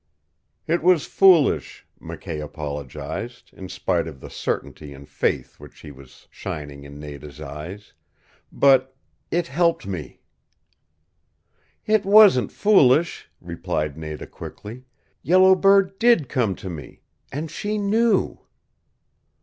"It was foolish," McKay apologized, in spite of the certainty and faith which he saw shining in Nada's eyes. "But it helped me." "It wasn't foolish," replied Nada quickly. "Yellow Bird DID come to me. And SHE KNEW."